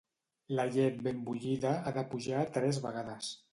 La llet ben bullida ha de pujar tres vegades.